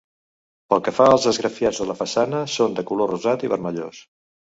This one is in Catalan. Pel que fa als esgrafiats de la façana, són de color rosat i vermellós.